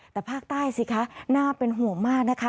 แต่ภาคใต้สิคะน่าเป็นห่วงมากนะคะ